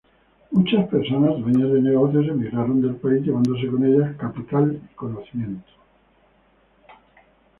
Muchas personas dueñas de negocios emigraron del país llevándose con ellas capital y conocimiento.